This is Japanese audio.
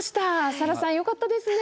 サラさんよかったですね！